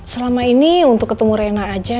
selama ini untuk ketemu rena aja